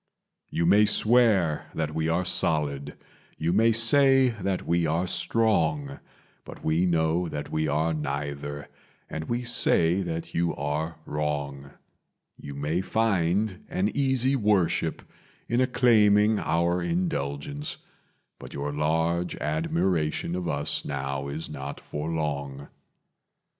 "You may swear that we are solid, you may say that we are strong, But we know that we are neither and we say that you are wrong; You may find an easy worship in acclaiming our indulgence, But your large admiration of us now is not for long.